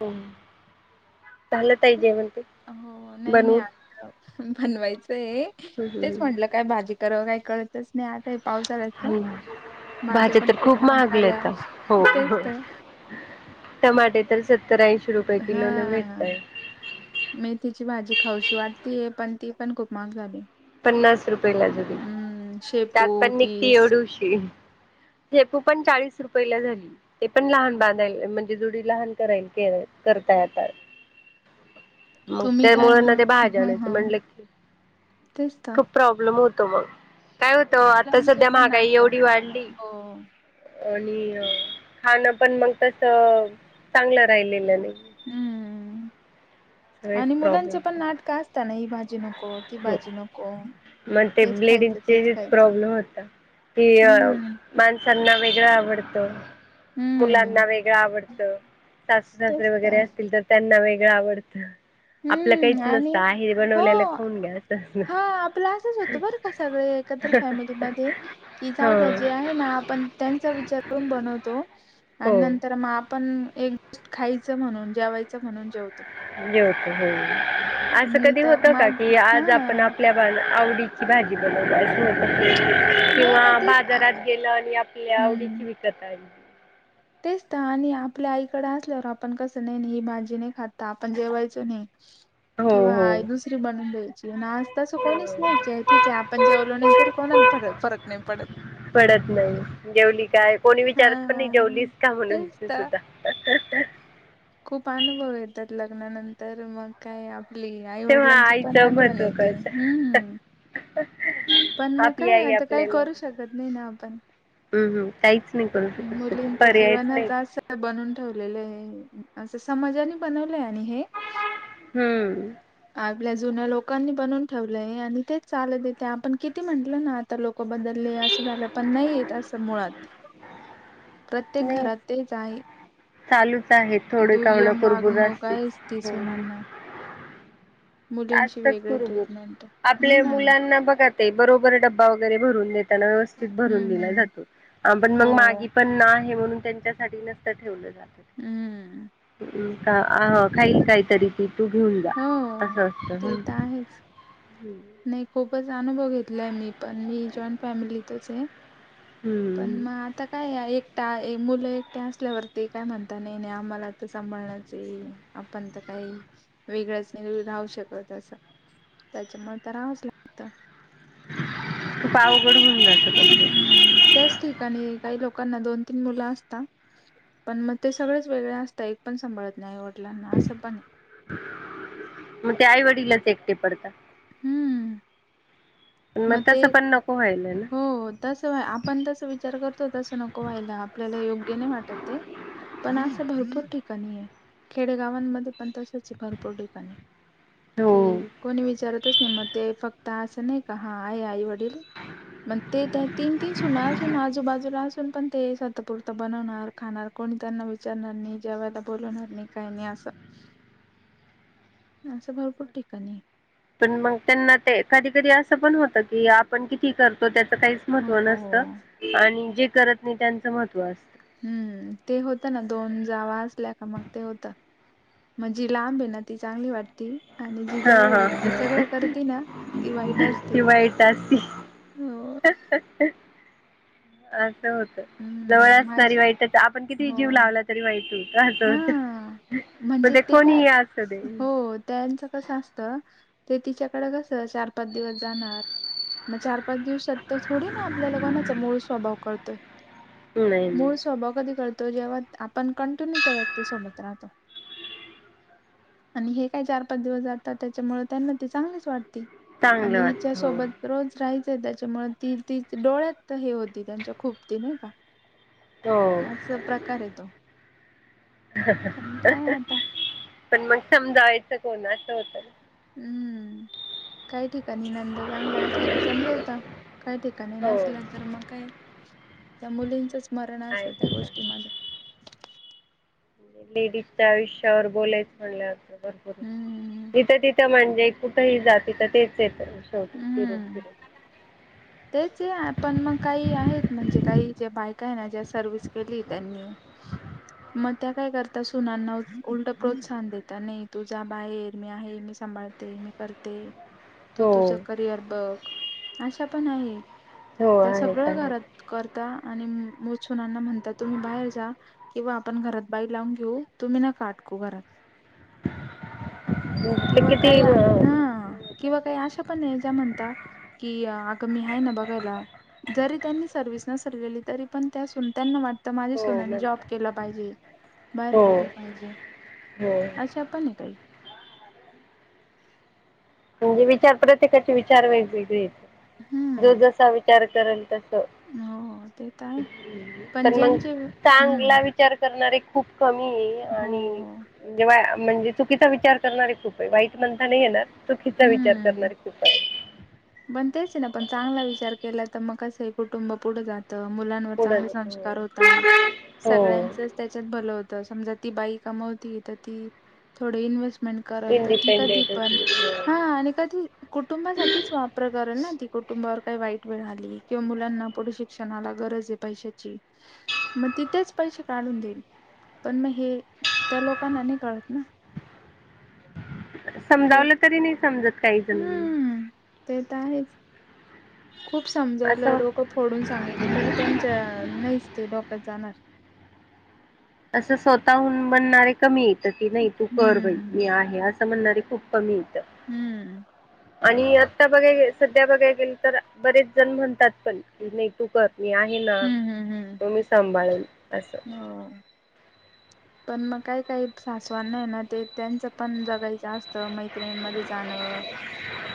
हम. हो नाही नाही बनवून आ बनवायचंय तेच म्हटलं. काय भाजी करं काय कळतच नाही आता पावसाळा. माझ्या भाज्या पण तर खूप मान झाल्या महागल्यात हो तेच हो तर. टमाटे तर सत्तरा अऐंशी रुपये. किलो न हा. भेटतय मे तिची भाजी खाऊशी वाटतीय पण ती पण खूप महाग झाली. पन्नास रुपये ला जली हम्म शेपू त्यात पण निघती तीस एवढूशी. झेपू पण चाळीस रुपये ला झाली. ते पण लहान बांधाल म्हणजे जुडी लहान कराल करताय आता. मग तुम्ही त्या काय मुळंना ते मग भाज्या हा जाण्याचं हा म्हणलं की. तेच त. खूप प्रॉब्लेम होतो मग काय होत आता मुलांचे सध्या पण महागाई नाटक एवढी वाढली. हो आणि खाण पण मग तस चांगलं राहिलेलं नाही. हम्म सगळेच आणि प्रॉब्लेम मुलांचं पण नाटक असत ना ही भाजी नको. कोन ती हो भाजी नको मग ते हेच खायचं तेच खायचं. ते अ हम्म माणसांना वेगरं आवडतो. हम्म मुलांना वेगळं आवडतं सासू सासरे वगैरे असतील तर त्यांना वेगळं आवडतं. आपलं काहीच हम्म आणि नसतं आहे हो बनवल्याला. खाऊन घ्या असं असतं. हा आपलं असंच होतं बरं का सगळे एकत्र फॅमिलीमध्ये. की जाऊ हो त्या्या जे आहे ना आपण त्यांचा विचार करून बनवतो आणि हो नर तर मग आपण एक गोष्ट खायचं म्हणून जेवायचं म्हणून जेवतो. जेवतो हो असं मी कधी तर होत मा का की हा आज आपण आपल्या. आवडीची भाजी बनव अस होत. नाही किंवा ना तेच बाजारात गेल आणि आपल्या हम्म आवडीची विकत आणली. तेच तर आणि आपल्या आईकड असल्यावर आपण कसं नाही ही भाजी नाही खात आपण जेवायचो नाही. ह. [inaudible] हो किंवा हो दुसरी बनवून द्यायची आज तसं कोणीच नाही हो क ठीक आहे आपण जेवलो नाही तरी कोणाला फरक. फरक नाही पडत. पडत नाही जेवली काय कोणी हा विचारत पण हा नाही हा जेवली का म्हणून तेच तरी तर सुद्धा. खूप अनुभव येतात लग्नानंतर मग काय आपली. आई तेव्हा वडिलांची पण आईचं आठवण महत्त्व येते. कळत हम्मम. पण मग आपली काय, आई आता काही करू शकत नाही ना आपण. हम्म हम्म. काहीच नाही करु शकत. मुलींच पर्यायच नाही. जीवनच असं बनून ठेवलेलंय. असं समाजाने बनवलंय आणि हे. हम्म. आपल्या जुन्या लोकांनी बनून ठेवलंय. आणि तेच चालत येतय. आपण किती म्हंटल ना आता लोक बदलले. असं झालं पण नाहीयेत असं मुळात. प्रत्येक नाही घरात तेच आहे. चालूच आहे थोडे का होईना दुय्यम कुरबुर वागणू असतेच आयेच ती हम्म सुनांना. मुलींची आसताच वेगळी कुरुबुर. ट्रीटमेंट आहे. आपल्या हम्म मुलांना बघत. ते बरोबर डब्बा वगैरे भरून देताना. व्यवस्थित भरून हम्म दिला हम्म जातो. पण मग मागे हो. पण आहे, म्हणून त्यांच्यासाठी नसतं ठेवलं जातं. हम्म. का अ खाईल काहीतरी ती. तू घेऊन जा हो. असं असत ते ना. तर आहेच हम्म. नाही खूपच अनुभव घेतलाय मी पण, मी जॉईंट फॅमिलीतचे. हम्म. पण म आता काये, एकटा मुलं एकट्या असल्यावरती काय म्हणता नाही नाही आम्हाला, सांभाळणचे. आपण त काही वेगळंच नाही राहू शकत असं. त्याच्यामुळे तर रावच लागत. तू पावघड होऊन जात पण हम्म त्याच ठिकाणी काही लोकांना दोन तीन मुलं असता पण मग ते सगळेच वेगळे असता. एक पण सांभळत नाही. आईवडलांना असं पणे. मग ते आईवडिलाच एकटे पडतात. हम्म. पण मग म ते, तसं पण नको व्हायला हो. ना तसं आपण तस विचार करतो. तसं नको व्हायला. आपल्याला योग्य नाही वाटत ते. पण असं भरपूर ठिकाणीये. खेडेगावांमध्ये पण तसचे भरपूर ठिकाणी. कि हो कोणी विचारतच नाही. मग ते फक्त असं नाही का? हा आहे आई वडील. मग ते, त्या तीन तीन सुना असून, आजूबाजूला असून पण, ते स्वतपुरत बनवणार खाणार. कोण त्यांना विचारणार नाही, जेवायला बोलवणार नाही. काही नाही असं. असं भरपूर ठिकाणीये. पण मग त्यांना ते कधी कधी असं पण होतं की आपण किती करतो त्याच काही महत्व नसत हो आणि जे करत नाही त्यांचं महत्त्व असत. हम्म ते होतं ना दोन जावा असल्या का मग ते होत. म्हणजी लांबे ना ती चांगली वाटती. आणि जी हा जवळ आहे हा जी सगळं करते ना ती वाईट असते. ती वाईट असती. हो. [inaudible] असं होत जवळ हम्म असणारी माझी वाईटच आपण किती हो जीव लावलात. जे व्हायचं होतं असं हा. होतं मग कोणीही असू दे दळण च कसं असत ते तिच्याकडे कसं चार पाच दिवस जाणार. मग चार पाच दिवसात तर थोडी ना आपल्या कोणाचा मूळ स्वभाव कळतोय. नाही नाही मूळ स्वभाव कधी कळतो जेव्हा आपण कंटिन्यू त्या व्यक्ती सोबत राहतो. आणि हे काय चार पाच दिवस जातात त्याच्यामुळ त्यांना ती चांगलीच वाटते. चांगलं आणि हिच्या वाटत हो सोबत रोज राहायचं त्याच्यामुळे ती ती डोळ्यात तर हे होते त्यांच्या खोपती नाही का? हो अस प्रकार हाय तो हा हा पण हा काय हा आता पण मग समजावयचं कोण असं होतं. हम्म काही ठिकाणी नंदा चांगल्या असल्या तर समजवता. काही ठिकाणी हो नसल्या तर मग काय त्या मुलींचंचमरण असत आहे त्या गोष्टीमध्ये लेडीजच्या आयुष्यावर बोलायच म्हणल्यावर तर हम्म भरपूर इथं तिथं म्हणजे कुठेही जा तिथं तेच येत शेवट फिरून हम्म फिरून तेच अ आपण मग काही आहेत म्हणजे काही जे बायका आहे ना ज्या सर्विस केली त्यांनी मग त्या काय करता सुनांना उलट प्रोत्साहन देता नाही तू जा बाहेर मी आहे मी स सांभाळते मी करते. तू हो तुझं करिअर बघ अशा पण आहे हो त्या आहेत सगळ्या आहेत घरात करता आणि मुछुनांना म्हणता तुम्ही बाहेर जा. किंवा आपण घरात बाई लावून घेऊ तुम्ही नका आटकू घरात ते किंवा किती काही हो हा किंवा काही अशा पण आहे ज्या म्हणता कि अगं मी आहे ना बघायला. जरी त्यांनी सर्व्हिस नसल केली तरी पण त्यासून त्यांना वाट तर माझ्या सुनेने जॉब म्हणतात केला पाहिजे बाहेर हो पडलं पाहिजे. हो अशा पण आहे काही म्हणजे विचार प्रत्येकाचे विचार वेगवेगळे येत जो हम्म जसा विचार करेल तसा हो ते तर आहे पण मग ज्यांचे हम्म चांगला वि विचार करणारे खूप कमीये. हो आणि जेव्हा म्हणजे चुकीचा विचार करणारे खूपे. वाईट म्हणता नाही येणार. चुकीचा विचार हम्म करणारी खूप आहेत. पण तेच ना. पण चांगला विचार केला त मग कसंय. कुटुंब पुढ जात मुलांवर चांगले पुढं संस्कार होता. हो सगळ्यांचच त्याच्यात भल होत. समजा ती बाई कमवती त ती, थोड इन्व्हेस्ट मेट करल त ती कधी इंडिपेंडेंट पण, होती हा आणि कधी कुटुंबासाठी वाप प्रकारे ना ती कुटुंबावर काही वाईट वेळ आली किंवा मुलांना पुढे शिक्षणाला गरज आहे पैशाची मग तिथेच पैसे काढून देईल पण मग हे त्या लोकांना नाही कळत ना. समजावलं तरी नाही समजत काह जनींना हम् ते तर आहेच. खूप समजवलं असं डोकं फोडून सांगितलं तरी त्यांच्या नाहीच ते डोक्यात जाणार. असं स्वतःहून म्हणणारे कमी येत ती नाही तू कर हम्म बाई मी आहे असं म्हणणारे खूप कमी इथं हम्म आणि आता बघाय गे सध्या बघाय गेल तर बरेच जण म्हणतात पण नाही तू करत मी आहे ना हम्म हम्म हम्म तो मी सांभाळेल असं. हो पण मग काय काही सासवन नाही ना ते त्यांचं पण जगायचं असतं मैत्रिणीमध्ये चाण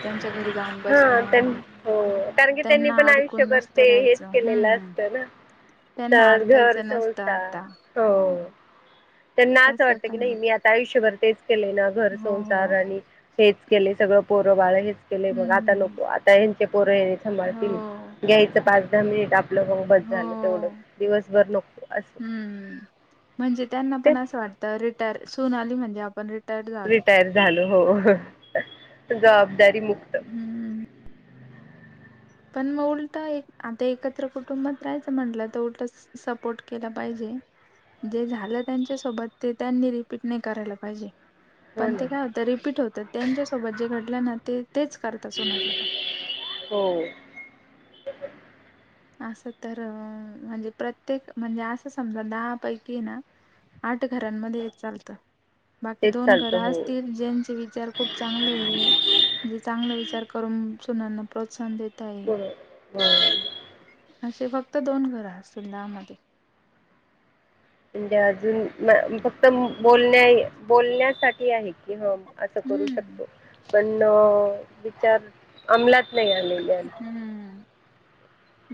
त्यांच्या घरी जाऊन हा त्यां बसणं हो कारण की त्यांनी त्यांना पण अडकून आयुष्यभर नस ते हेच करायचं केलेलं हम् असतं ना त्यांना तर घर अडकायचं नसतं संसार आता हो त्यांना तस असं वाटतं की पण नाही आहे मी आता आयुष्यभर तेच केले ना घर हो हो संसार आणि हेच केले, सगळं पोरंबाळ हेच केलेय. मग आता नको हम्म आता यांचे पोरं हे हो सांभाळतील. घ्यायचं पाच दहा मिनिट आपलं. मग बस हो झालं तेवढंच. दिवसभर नको असं. हम्म म्हणजे त्यांना पण तेच असं वाटतं. रिटायर, सुन आली म्हणजे आपण री रिटायर झालो. हो. जबाबदारी मुक्त. हम्म. पण मग उलटा एक, आता एकत्र कुटुंबात राहायचं म्हटलं तर, उलट सपोर्ट केला पाहिजे. जे झालं त्यांच्यासोबत. ते त्यांनी रिपीट नाही करायला पाहिजे. हो पण ना ते काय होतं. रिपीट होतं. त्यांच्यासोबत जे घडलं ना, ते तेच करता सुनासोबत. हो. असं तर, म्हणजे प्रत्येक, म्हणजे असं समजा दहा पैकी ना. आठ घरांमध्ये हेच चालत. बाकी तेच दोन घर चालतं हो असतील, ज्यांचे विचार खूप चांगल्या. जे चांगले विचार करून, सुनाना प्रोत्साहन देताय. हो. असे फक्त दोन घरं असतील दहा मध्ये. म्हणजे अजून फक्त बोलण्या बोलण्यासाठी आहे. की हा असं करू हम्म. शकतो पण विचार अमलात नाही आ्ही हम्म.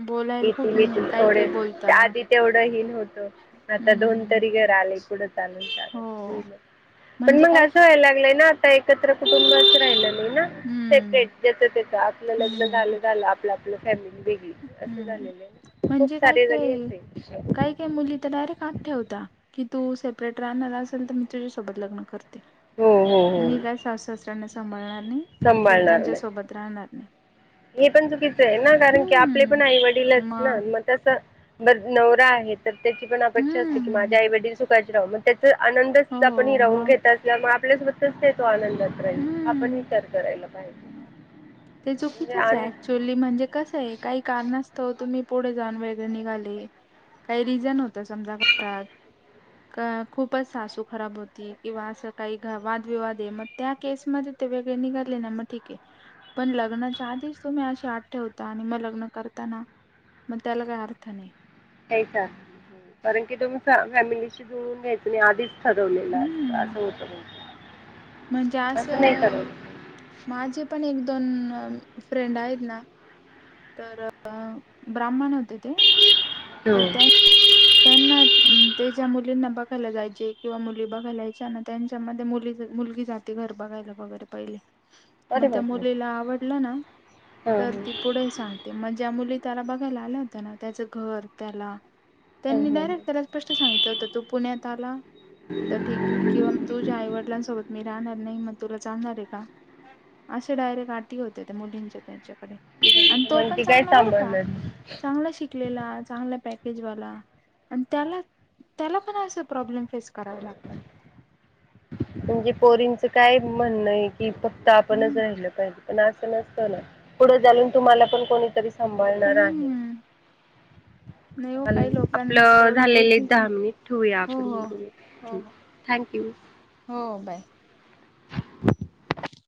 बोलायला खूप इथूनथ काही थोडे काही बोलता आधी तेवढं हन होतं. आता दोन हम्म तरी घर आले कुडं चालून हो. चालून पण म्हणजे मग काय असं व्हायला लागलंय ना आता एक एकत्र कुटुंबच राहिलं नाही ना हम्म सेपरेट जच त्याच आपलं लग्न झालं हम्म झालं आपलं. आप फॅमिली वेगळी असं हम्म हम्म झालेलं खूप म्हणजे काय सारे काय जग. काही मुली तर डायरेक्ट आठ ठेवता की तू सेपरेट राहणार असेल तर मी तुझ्यासोबत लग्न करते. हो हो हो मी काय सासासऱ्यांना सांभाळणार नाही किंवा सांभाळणार त्यांच्या नाही सोबत राहणार नाही. हे पण चुकीचं आहे ना कारण की आपले हम्म पण आई वडीलच ना मग तस ब नवरा आहेत. तर त्याची पण अपेक्षा असते की हम्म माझ्या आई, वडील सुखाचे राहू मग त्याचा हो आनंदच आपण हि राहून मग घेत मग आपल्यासोबतच देतो आनंदात राहील आपण हम्म. विचार करायला पाहिजे. ते चो म्हणजे आन कथंच. चोली म्हणजे कसं आहे काही कारण असतं तुम्ही पुढे जान वेगरे निघाले. काही रिझन होत समजा घात अ खूपच सासू खराब होती किंवा असं काही वादविवाद आहे म त्या केसमध्येध्ये ते वेगळे निघाले ना मग ठीक, आहे. पण लग्नाच्या आधीच तुम्ही अशी आठ ठेवता आणि मग लग्न करताना. मग त्याला काय अर्थ नाही. यायचा कारण की तुम्ही फॅमिलीशी जुळून घ्याय तु आधीच ठरवलेलं अस हम्म असं होतं, मग ते. म्हणजे असं माझे पण एक दोन फ्रेंड आहेत ना. तर ब्राह्मण होते ते तर त्यां त्यांना ते ज्या मुलींना बघायला जायचे किंवा मुली बघायला यायच्या ना त्यांच्यामध्ये मुली मुलगी जात. ते घर बघायला वगैरे पहिले. मग अरे त्या बापरे! मुलीला आवडलं ना हां, तर हां. ती पुढे सांगते. ते मग ज्या मुली त्याला बघायला आल्या होत्या ना त्याचं घर त्याला हां, त्यांनी हां, डायरेक्ट हां. त्याला स्पष्ट सांगितलं होत तू पुण्यात आला तर ठीक आहे किंवा. तुझ्या आईवडिलांसोबत मी राहणार नाही मण तुला चालणार आहे का. असे डायरेक्ट आटी होते त्या मुलींच्या त्याच्याकडे आणि तो मग पण ती काय चांगला बर का सांभाळणार? चांगला शिकलेला चांगलं पॅकेजवाला आणि त्याला त्याला पण असं प्रॉब्लेम फेस करावे लागतात. म्हणजे पोरींचं काय म्हणणं आहे कि फक्त आपणच हम्म राहिलं पाहिजे. प असं नसतं ना पुढे जालन तुम्हाला पण कोणीतरी सांभाळणार आहे. हम्म नाही हो ल काही लोकांना आपलं तेवढी झालेले बुद्धीच नाही दहा मिनिट ठेऊया हो आपण हो हो थँक्यू. हो बाय.